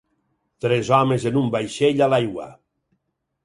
Tres homes en un vaixell a l'aigua.